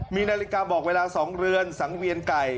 มีนาฬิกาบอกเวลา๒เรือนสังเวียนไก่